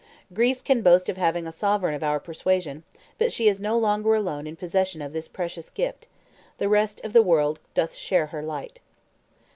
Greece can boast of having a sovereign of our persuasion; but she is no longer alone in possession of this precious gift; the rest of the world cloth share her light."